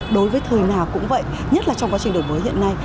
đối với thời nào cũng vậy nhất là trong quá trình đổi mới hiện nay